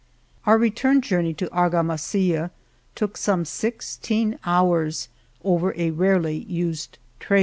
Our return journey to Argamasilla took some sixteen hours over a rarely used trail.